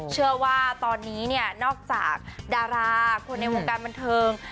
เชื่อว่าตอนนี้เนี่ยนอกจากดาราคนในวงการบันเทิง